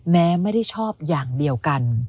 แม้ไม่ได้ชอบอย่างเดียวกัน